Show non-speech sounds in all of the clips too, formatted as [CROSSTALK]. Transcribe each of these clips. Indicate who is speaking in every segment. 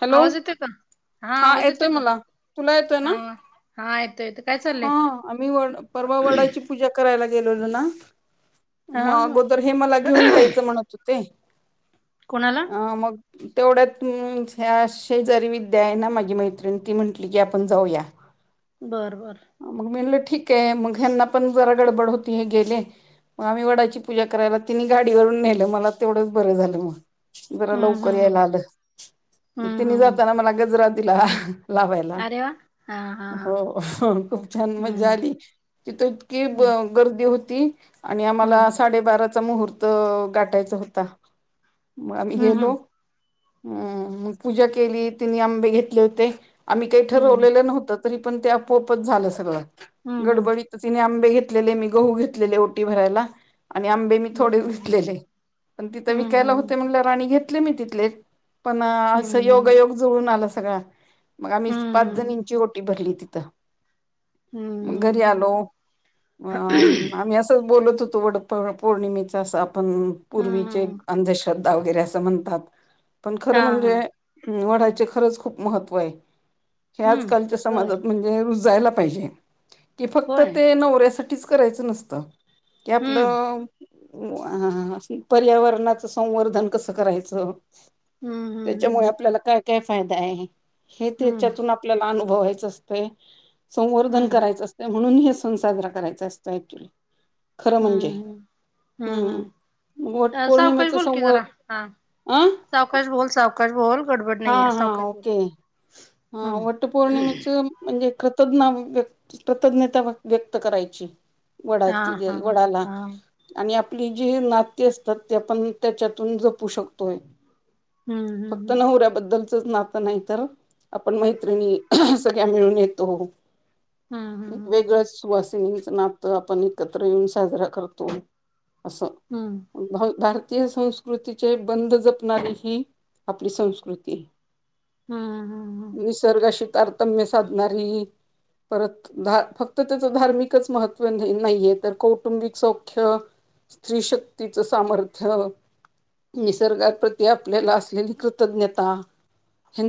Speaker 1: Hello
Speaker 2: आवाज येते का हा आवाज
Speaker 1: येतोय
Speaker 2: येते का
Speaker 1: मला तुला येतोय ना
Speaker 2: हा हा. येतोय येतोय
Speaker 1: हा आम्ही व परवा वडाची पूजा करायला गेलोतो ना
Speaker 2: हा
Speaker 1: मग अगोदर हे मला घेऊन जायचं म्हणत होते
Speaker 2: कोणाला?
Speaker 1: हा मग, तेवढ्या अशी जारी विद्या आहे ना माझी मैत्रिणी ती म्हंटली की आपण जाऊया, [UNINTELLIGIBLE]
Speaker 2: बर बर,
Speaker 1: मग मी म्हणलं ठीक आहे मग ह्याना पण जरा गडबड होती हे गेले मग आम्ही वडाची पूजा करायला तिने गाडीवरून नेलं मला तेवढंच बरं झालं मग जरा
Speaker 2: हम्म
Speaker 1: लवकर
Speaker 2: हम्म
Speaker 1: यायला आलं मग
Speaker 2: हम्म हम्म हम्म
Speaker 1: तिने
Speaker 2: हम्म
Speaker 1: जाताना मला गजरा दिला लावायला
Speaker 2: अरे वा हा हा हा
Speaker 1: हो खूप छान मजा
Speaker 2: हम्म
Speaker 1: आली तिथ इतकी
Speaker 2: हम्म
Speaker 1: गर्दी होती आणि
Speaker 2: हम्म
Speaker 1: आम्हाला साडेबाराचा मुहूर्त गाठायचा होता मग आम्ही
Speaker 2: हम्म
Speaker 1: गेलो अम पूजा केली तिने आंबे घेतले होते आम्ही काही
Speaker 2: हम्म
Speaker 1: ठरवलेलं नव्हतं तरी पण ते आपोआपच झालं सगळ
Speaker 2: हम्म
Speaker 1: गडबडीत तिने आंबे घेत मी गहू घेतलेले ओटी भरायला आणि आंबे मी
Speaker 2: हम्म
Speaker 1: थोडे वेतलेले पण तिथं
Speaker 2: हम्म हम्म हम्म
Speaker 1: विकायला होते म्हणलं राणी घेतले मी तिथले पण असं
Speaker 2: हम्म
Speaker 1: योगयोग जुळून आला सगळा मग आम्ही
Speaker 2: हम्म
Speaker 1: पाच जणंची
Speaker 2: हम्म
Speaker 1: रोटी भरली तिथे
Speaker 2: हम्म हम्म हम्म हम्म हम्म
Speaker 1: मग घरी आलो
Speaker 2: हम्म
Speaker 1: अ आम्ही असं बोलत, वड पौर्णिमेचा अस आपण पूर्वीचे
Speaker 2: हम्म
Speaker 1: अंध्रद्ध, [INAUDIBLE]
Speaker 2: हा हा हम्म बर
Speaker 1: [INAUDIBLE] जायला पाहिजे कि फक्त
Speaker 2: होय
Speaker 1: ते नवऱ्यासाठीच करायचं नसतं की
Speaker 2: हम्म
Speaker 1: आपलं, हा पर्यावरणाच संवर्धन कसं करायचं,
Speaker 2: हम्म
Speaker 1: त्याच्यामुळे
Speaker 2: हम्म
Speaker 1: आपल्याला काय काय फायदा आहे हे
Speaker 2: हम्म
Speaker 1: त्याच्यातून आपल्याला, संवर्धन करा
Speaker 2: हम्म
Speaker 1: अस म्हण सण साजरा करायचा असतो ऍक्च्युली खरं म्हणजे
Speaker 2: हम्म, हम्म, हम्म,
Speaker 1: वट
Speaker 2: हम्म साव कश
Speaker 1: पौर्णिमेच
Speaker 2: बोलकी
Speaker 1: संव
Speaker 2: जरा हा.
Speaker 1: अ
Speaker 2: सवकाश बोल सवकाश बोल गडबड
Speaker 1: हा
Speaker 2: नाही
Speaker 1: हा
Speaker 2: सावकाश बोल.
Speaker 1: ओके
Speaker 2: हम्म
Speaker 1: वट पौर्णिमच म्हजे कृतज्ञ कृतज्ञता व्यक्त करायची वडा
Speaker 2: हा हा हा
Speaker 1: वडाला
Speaker 2: हा
Speaker 1: आणि आपली जी नाते असतात ते आपण त्याच्यातून जपू शकतोय
Speaker 2: हम्म
Speaker 1: फक्त
Speaker 2: हम्म
Speaker 1: नवऱ्याबद्दलचच नातं नाही तर आपण मैत्रिणी सगळ्या मिळून येतो
Speaker 2: हम्म हम्म
Speaker 1: वेगळं, ची नात आपण एकत्र येऊन साजरा करतो अस भार भारतीय संस्कृतीचे बंध जपणारी ही आपली संस्कृती,
Speaker 2: हम्म हम्म हम्म.
Speaker 1: निसर्गाशी तारतम्य साधणारी परत धा फक्त त्याचं धार्मिकच महत्त्व नाहीये तर कौटुंबिक सौख्य स्त्री शक्तीचं सामर्थ्य, निसर्गाप्रती आपल्याला असलेली कृतज्ञता,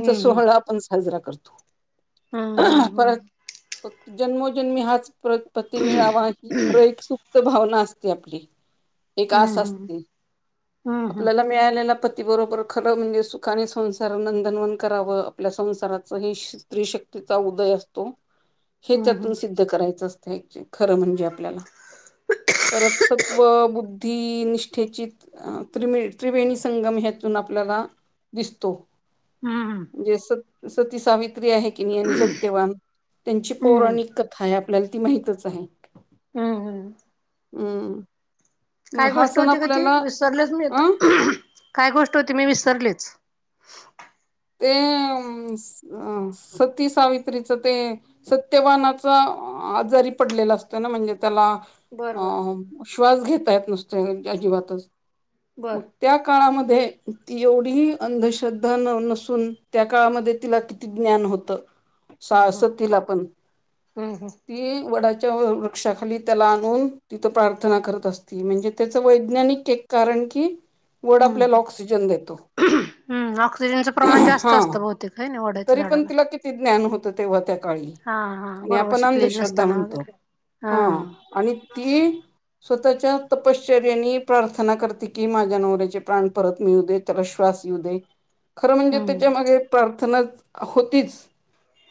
Speaker 2: हम्म
Speaker 1: सोहळा आपण साजरा करतो
Speaker 2: हम्म हम्म हम्म.
Speaker 1: परत जन्मोजन्मी हाच पती मिळावा ही खरं एक सुप्त भावना असते आपली. एक आस
Speaker 2: हम्म
Speaker 1: असते
Speaker 2: हम्म हम्म हम्म
Speaker 1: आपल्याला मिळालेला. पति बरोबर खरं म्हणजे सुखाने संसार नंदनवन कराव. आपल्या संसाराच हे स्त्रीशक्तीचा उदय असतो हे त्यातून
Speaker 2: हम्म
Speaker 1: सिद्ध करायचं असत. खरं म्हणजे आपल्याला. परत सत्व, बुद्धी, निष्ठेची, त्रिवेणी संगम ह्या तुन आपल्याला दिसतो.
Speaker 2: हम्म, हम्म.
Speaker 1: म्हणजे सती सावित्री आहे कि नाही आणि सत्यवान त्यांची
Speaker 2: हम्म
Speaker 1: पौराणिक कथा आपल्याला ती माहितच आहे.
Speaker 2: हम्म, हम्म.
Speaker 1: हम्म. मग
Speaker 2: काय
Speaker 1: हा
Speaker 2: गोष्ट
Speaker 1: सण
Speaker 2: होती का ती
Speaker 1: आपल्याला
Speaker 2: विसरलेच मी
Speaker 1: अं
Speaker 2: आता काय गोष्ट होती मी विसरलेच?
Speaker 1: ते अ सती सावित्रीच ते सत्यवानाचा आजारी पडलेला असतं ना म्हणजे त्याला
Speaker 2: बर
Speaker 1: अ
Speaker 2: बर
Speaker 1: श्वास घेताय नुसतोय अजिबातच
Speaker 2: बर
Speaker 1: मग त्या काळामध्ये ती एवढीही अंधश्रद्धा न नस सून त्या काळामध्ये तिला किती ज्ञान होत.
Speaker 2: हम्म
Speaker 1: सा सतीला पण
Speaker 2: हम्म हम्म
Speaker 1: ती वडाची त्या वृक्षाखाली त्याला आणून तिथ प्रार्थना करत असते म्हणजे त्याच वैज्ञानिक एक कारण की वड आपल्याला
Speaker 2: हम्म
Speaker 1: ऑक्सिजन देतो.
Speaker 2: हम्म ऑक्सिजनचं प्रमाण जास्त
Speaker 1: हा
Speaker 2: असतं बहुतेक आहे ना वड्याच्या
Speaker 1: तरी पण
Speaker 2: झाडाला
Speaker 1: तिला किती ज्ञान होतं तेव्हा त्या काळी
Speaker 2: हा हा
Speaker 1: आणि
Speaker 2: बरोबर
Speaker 1: आपण
Speaker 2: शिकलेली
Speaker 1: अंधश्रद्धा
Speaker 2: नसताना
Speaker 1: म्हणतो.
Speaker 2: वगैरे
Speaker 1: हा आणि ती स्वतःच्या तपशे रयनी प्रार्थना करते की माझ्या नवऱ्याचे प्राण परत मिळू दे त्याला श्वास येऊ दे. खरं म्हणजे
Speaker 2: हम्म
Speaker 1: त्याच्या मागे प्रार्थना होतीच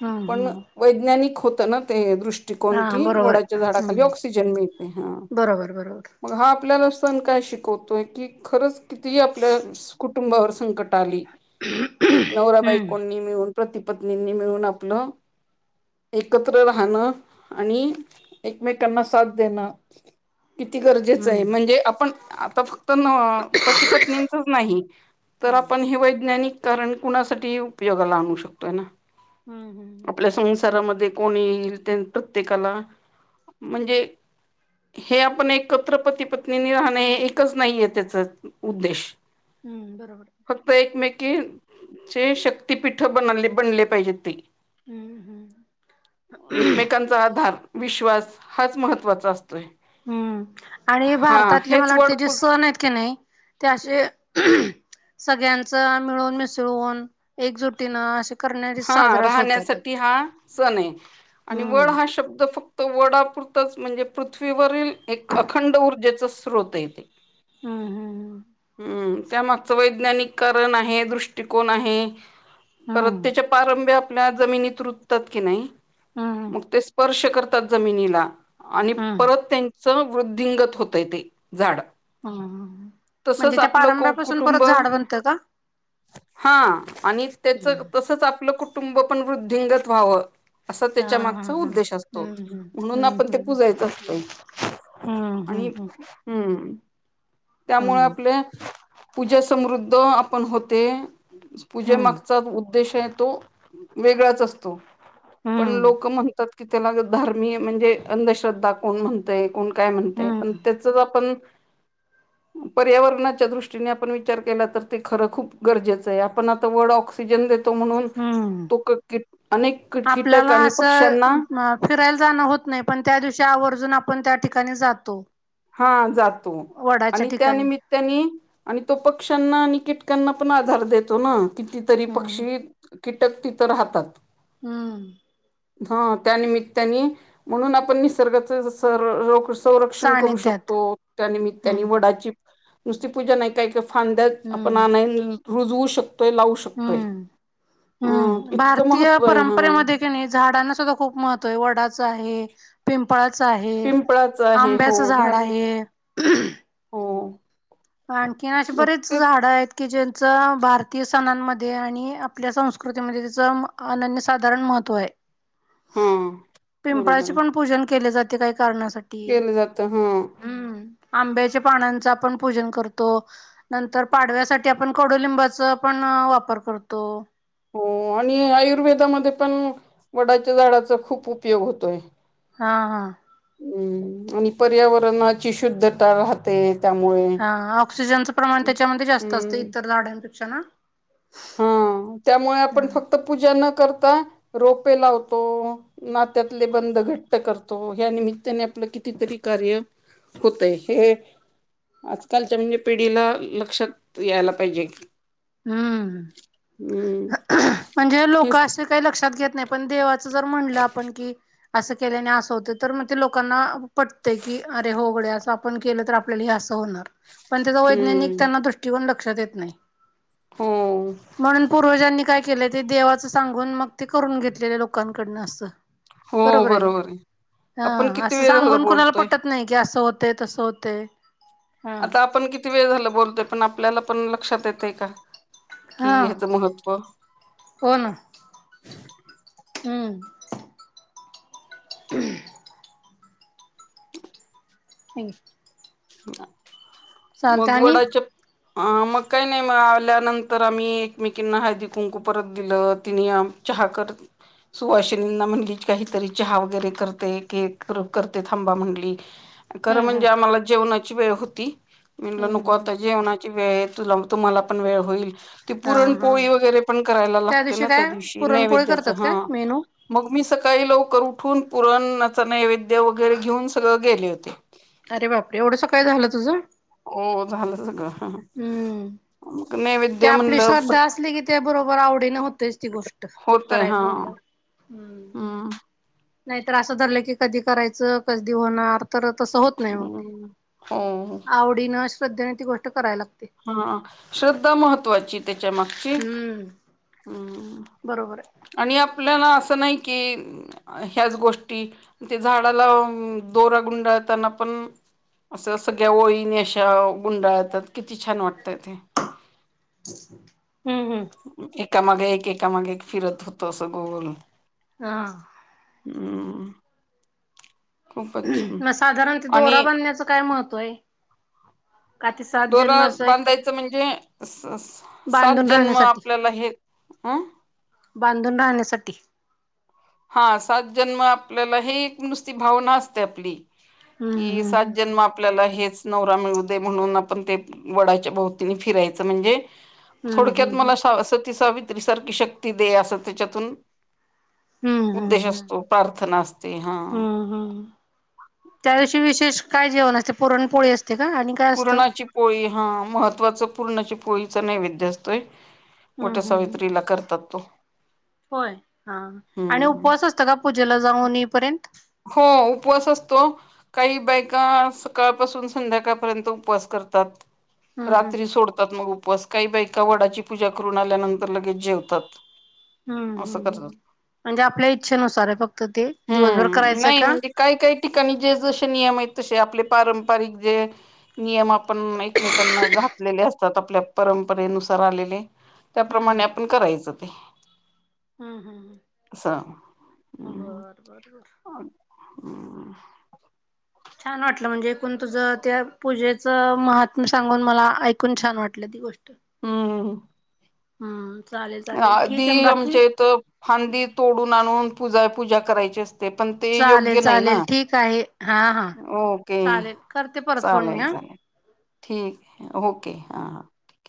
Speaker 2: हम्म
Speaker 1: पण
Speaker 2: हम्म
Speaker 1: वैज्ञानिक होत ना ते दृष्टि दृष्टिकोण
Speaker 2: हा
Speaker 1: की
Speaker 2: बरोबर
Speaker 1: वडाच्या
Speaker 2: आहे
Speaker 1: झाडाखाली आपल्याला
Speaker 2: हम्म
Speaker 1: ऑक्सिजन मिळते.
Speaker 2: बरोबर बरोबर
Speaker 1: आपण काय शिकवतोय की खरंच किती आपल्या कुटुंबावर संकट आली.
Speaker 2: हम्म
Speaker 1: नवराबायकोनी मिळून पति पत्नींनी मिळून आपल. एकत्र राहणं आणि एकमेकांना साथ देण. किती गरजेचं आहे
Speaker 2: हम्म
Speaker 1: म्हणजे आपण आता. तर अ पती पत्नीचच नाही, तर
Speaker 2: हम्म
Speaker 1: आपण हे वैज्ञानिक कारण कुणासाठीही उपयोगाला आणू शकतोय ना.
Speaker 2: हम्म हम्म हम.
Speaker 1: घरामध्ये कोणी येईल त्याने प्रत्येकाला- म्हणजे हे आपण एकत्र पती पत्नीनी राहणे हे एकच नाहीय त्याचा उद्देश.
Speaker 2: हम्म बरोबर.
Speaker 1: की जे शक्तीपीठं बनले बनले पाहिजेत ते.
Speaker 2: हम्म हम्म
Speaker 1: एकमेकांचा आधार विश्वास हाच महत्त्वाचा असतो.
Speaker 2: हम्म आणि भारतातले मला
Speaker 1: हेच
Speaker 2: वाटते जे
Speaker 1: वर्ड
Speaker 2: सण आहेत की नाही. ते आशे सगळ्यांच मिळून मिसळून एकजुटीनं असे करणारी
Speaker 1: हा
Speaker 2: साजराच होतातच
Speaker 1: राहण्यासाठी हा सण आहे आणि वड
Speaker 2: हम्म
Speaker 1: हा शब्द फक्त वडापुर च म्हणजे पृथ्वीवरील एक अखंड ऊर्जेचा स्रोत येते.
Speaker 2: हम्म, हम्म, हम्म.
Speaker 1: त्यामागचं वैज्ञानिक कारण आहे दृष्टिकोन आहे.
Speaker 2: हम्म.
Speaker 1: पारभय आपल्या जमिनीत रुतात की नाही
Speaker 2: हम्म हम्म
Speaker 1: मग ते स्पर्श करतात जमिनीला आणि
Speaker 2: हम्म
Speaker 1: परत त्यांच वृद्धिंगत होतय ते झाड
Speaker 2: ह म्हणजे
Speaker 1: तसच
Speaker 2: त्या
Speaker 1: आपलं कु
Speaker 2: पारंब्यापासून परत
Speaker 1: कुटुंब
Speaker 2: झाड बनतं का?
Speaker 1: हा आणि त्याच
Speaker 2: हम्म.
Speaker 1: तसच आपलं कुटुंब पण वृद्धिंगत व्हाव. असा
Speaker 2: हा
Speaker 1: त्याच्या
Speaker 2: हा
Speaker 1: मागचा
Speaker 2: हा
Speaker 1: उद्देश असतो.
Speaker 2: हम्म
Speaker 1: म्हणून आपण
Speaker 2: हम्म
Speaker 1: ते पुजायच असत.
Speaker 2: हम्म
Speaker 1: आणि
Speaker 2: हम्म
Speaker 1: हम्म. त्यामुळे
Speaker 2: हम्म
Speaker 1: आपले, पूजा समृद्ध, आपण होते.
Speaker 2: हम्म
Speaker 1: पूजेमागचा उद्देश आहे तो वेगळाच असतो. पण
Speaker 2: हम्म
Speaker 1: लोक म्हणतात, की त्याला धार्मीय, म्हणजे 'अंधश्रद्धा' कोण म्हणतय. कोण काय म्हणताय, पण
Speaker 2: हम्म
Speaker 1: त्याच आपण पर्यावरणाच्या दृष्टीने आपण विचार केला, तर ते खरं खूप गरजेचं आहे. आपण आता वड ऑक्सिजन देत म्हणून
Speaker 2: हम्म
Speaker 1: तो. की अनेक कीटक
Speaker 2: आपल्याला
Speaker 1: आणि पक्ष्यांना
Speaker 2: असं फिरायला जाणं होत नाही पण त्या दिवशी आवर्जून आपण त्या ठिकाणी जातो.
Speaker 1: हा, जातो.
Speaker 2: वडाच्या
Speaker 1: आणि
Speaker 2: ठिकाणी
Speaker 1: निमित्याने आणि तो पक्षांना आणि कीटक त्यांना पण आधार देतो ना, कितीतरी
Speaker 2: हम्म
Speaker 1: पक्षी कीटक तिथं राहतात.
Speaker 2: हम्म.
Speaker 1: हा त्यानिमित्ताने, म्हणून आपण निसर्गाच सर संरक्षण करू शकतो.
Speaker 2: सानिध्यात
Speaker 1: शकतो त्या निमित्ताने
Speaker 2: हम्म
Speaker 1: वडाची नुसती पूजा नाही, काय का फांद्या आपण
Speaker 2: हम्म
Speaker 1: आणय रुजवू शकतोय. लावू शकतोय.
Speaker 2: हम्म
Speaker 1: अ
Speaker 2: हम्म.
Speaker 1: इतकं
Speaker 2: भारतीय
Speaker 1: महत्त्व आहे हा
Speaker 2: परंपरेमध्ये क नाही, झाडांना सुद्धा खूप महत्त्व आहे. वडाचं आहे, पिंपळाच आहे,
Speaker 1: पिंपळाचं आहे हो
Speaker 2: आंब्याचं झाड
Speaker 1: धार्मिक
Speaker 2: आहे.
Speaker 1: हो
Speaker 2: आणखीन असे बरेच
Speaker 1: तेच
Speaker 2: झाड आहेत की ज, चा भारतीय सणांमध्ये आणि आपल्या संस्कृतीमध्ये त्याच अनन्य साधारण महत्त्व आहे.
Speaker 1: हा बरोबर
Speaker 2: पिंपळाचे
Speaker 1: आहे
Speaker 2: पण पूजन केले जाते. काही कारणासाठी,
Speaker 1: केलं जातं हा
Speaker 2: ह आंब्याचा पानांचा आपण पूजन करतो, नंतर पाडव्यासाठी आपण कडुलिंबाचा पण वापर करतो.
Speaker 1: हो आणि आयुर्वेदामध्ये पण वडाच्या झाडाचा खूप उपयोग होतोय.
Speaker 2: हां हां.
Speaker 1: हम्म आणि पर्यावरणाची शुद्धता राहते. त्यामुळे
Speaker 2: हा ऑक्सिजनचं प्रमाण त्याच्यामध्ये जास्त असत
Speaker 1: हम्म
Speaker 2: इतर झाडांपेक्षा, ना?
Speaker 1: हा त्यामुळे आपण फक्त पूजा न रोपे लावतो. नात्यातले बंद घट्ट करतो, या निमित्ताने आपलं कितीतरी कार्य होतय. हे आजकालच्या, म्हणजे पिढीला, लक्षात यायला पाहिजे की
Speaker 2: हम्म. म्हणजे लोक
Speaker 1: हेच
Speaker 2: असे काही लक्षात घेत नाही पण देवाच जर म्हणलं आपण की, अस केलं असं होत, तर मग ते लोकांना पटतेय की. अरे हो गडे असं आपण केलं, तर आपल्याला हे असं होणार. पण त्याचा वैज्ञानिक
Speaker 1: हम्म
Speaker 2: त्यांना दृष्टिकोन लक्षात येत नाही.
Speaker 1: हो
Speaker 2: म्हणून पूर्वजांनी काय केलं ते देवाचं सांगून मग ते करून घेतलेलं लोकांकडनं असं बरोबर आहे.
Speaker 1: आपण
Speaker 2: हा
Speaker 1: किती
Speaker 2: असं
Speaker 1: वेळ झालं
Speaker 2: सांगून कुणाला
Speaker 1: बोलतोय
Speaker 2: पटत नाही, की असं होत. होतंय, होते तसं होतय हा
Speaker 1: आता आपण किती वेळ झाल बोलतो. पण आपल्याला पण लक्षात येतेय का? की
Speaker 2: हा
Speaker 1: ह्याच महत्त्व.
Speaker 2: हो ना हम्म. हम.
Speaker 1: मग. वडाच्या अ मग काही नाही, मग आल्यानंतर आम्ही एकमेकींना हळदी कुंकू परत दिलं. तिने चहा करते. सुवाशिनींना म्हणली काहीतरी चहा वगैरे करते, केक करते, थांबा म्हंनली. खरं
Speaker 2: हम्म हम्म
Speaker 1: म्हणजे आम्हाला जेवणाची वेळ होती, म्हनलं नको
Speaker 2: हम्म हम्म
Speaker 1: आता जेवणाची वेळ तु तुम्हाला पण वेळ होईल. ती
Speaker 2: हा हा
Speaker 1: पुरणपोळी वगैरे पण करायला लागते ना त्या
Speaker 2: काय
Speaker 1: दिवशी
Speaker 2: पुरणपोळी
Speaker 1: नैवेद्याच
Speaker 2: करतात
Speaker 1: हा
Speaker 2: काय मेनू
Speaker 1: मग मी सकाळी लवकर उठून पुरणच नैवेद्य वगैरे घेऊन सगळ गेले होते
Speaker 2: अरे बापरे एवढस काय झालं तुझं
Speaker 1: हो झालं सगळं
Speaker 2: हम्म
Speaker 1: मग
Speaker 2: ते
Speaker 1: नैवेद्य
Speaker 2: आपली
Speaker 1: म्हणलं
Speaker 2: श्रद्धा
Speaker 1: पट
Speaker 2: असली की त्या बरोबर आवडीन होते तेच ती गोष्ट
Speaker 1: होतय
Speaker 2: करायच म्हणलंवर
Speaker 1: हा
Speaker 2: नाहीतर असं धरलं की कधी करायचं कधी होणार तर तसं होत नाही मग ते
Speaker 1: हम्म हो
Speaker 2: आवडीनं श्रद्धेने ती गोष्ट करायला लागते
Speaker 1: हा श्रद्धा महत्त्वाची त्याच्या माग
Speaker 2: हम्म बरोबर आहे
Speaker 1: उपलना स नाही की ह्याच गोष्टी ते झाडाला दोरा गुंडाळताना पण असं सगळ्या ओळीने अशा गुंडाळ येतात किती छान वाटतय ते
Speaker 2: हम्म हम्म
Speaker 1: एकामागे एक एकामागे एक फिरत होत असं गोल
Speaker 2: हा
Speaker 1: हम
Speaker 2: मग साधारण ते दोरा
Speaker 1: आणि
Speaker 2: बनण्याचं काय महत्त्व आहे का ते सात
Speaker 1: दोरा
Speaker 2: जन्म असं एक
Speaker 1: बांधायचं म्हणजे सात
Speaker 2: बांधून
Speaker 1: जन्म
Speaker 2: राहण्यासाठी
Speaker 1: आपल्याला हे आं
Speaker 2: बांधून राहण्यासाठी
Speaker 1: हा सात जन्म आपल्याला हे एक नुसती भावना असते आपली
Speaker 2: हम्म
Speaker 1: कि
Speaker 2: हम्म हम्म.
Speaker 1: सात जन्म आपल्याला हे नवरा मिळू दे म्हणून आपण ते वडाच्या भोवतीनी फिरायचं म्हणजे
Speaker 2: हम्म
Speaker 1: थोडक्यात
Speaker 2: हम्म
Speaker 1: मला सा सती सावित्री सारखी शक्ती दे असं त्याच्यातून
Speaker 2: हम्म
Speaker 1: उद्देश
Speaker 2: हम्म हम्म
Speaker 1: असतो प्राार्थना असते हा
Speaker 2: हम्म हम्म त्या दिवशी विशेष काय जेवण असते पुरणपोळी असते का आणि काय असतं
Speaker 1: पुूर्णाची पोळी हा महत्त्वाच पूर्णाची पोळीचा नैवेद्य असतोय
Speaker 2: हम्म
Speaker 1: मोठ्या
Speaker 2: हम्म
Speaker 1: सावित्रीला करतात तो
Speaker 2: होय हा आणि
Speaker 1: हम्म
Speaker 2: उपवास असत का पूजेला जाऊन येई पर्यंत
Speaker 1: हो उपवास असतो काही बायका सकाळपासून संध्याकाळपर्यंत उपवास करतात
Speaker 2: हम्म हम्म
Speaker 1: रात्री सोडतात मग उपवासकाई बायका वडाची पूजा करून आल्यानंतर लगेच जेवतात
Speaker 2: हम्म
Speaker 1: असं
Speaker 2: हम्म्
Speaker 1: करतात
Speaker 2: म्हणजे आपल्या इच्छेनुसार आहे फक्त ते दिवसभर कराय
Speaker 1: हम्म नाही म्हणजे काही काही ठिकाणी जे जसे नियम आहेत तसे आपले पार वारीक जे नियम आपण एकमेकांना घातलेले असतात आपल्या परंपरेनुसार आलेले
Speaker 2: हम्म
Speaker 1: त्याप्रमाणे आपण करायचं ते
Speaker 2: हम्म हम्
Speaker 1: असं
Speaker 2: ह बर बर बर
Speaker 1: हम्म
Speaker 2: छान वाटलं म्हणजे एकूण तुझं त्या पूजेच महात्म सांगून मला ऐकून छान वाटलं ती गोष्ट
Speaker 1: हम्म
Speaker 2: हम्म चालेल चालेल ठीक आहे
Speaker 1: आधी
Speaker 2: बाकी
Speaker 1: आमच्या इथ फांदी तोडून आणून पूजा पूजा करायची असते ते पण ते
Speaker 2: चालेल
Speaker 1: योग्य नाही ना
Speaker 2: चालेल ठीक आहे हा हा
Speaker 1: ओके
Speaker 2: चालेल करते परत फोन मी
Speaker 1: चालेल
Speaker 2: हा
Speaker 1: चालेल ठीक ओके हा हा